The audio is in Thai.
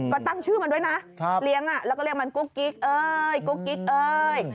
ก็ตั้งชื่อมันด้วยนะเลี้ยงแล้วก็เรียกมันกุ๊กกิ๊กเอ้ยกุ๊กกิ๊กเอ้ย